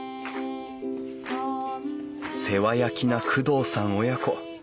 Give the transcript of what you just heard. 世話焼きな工藤さん親子。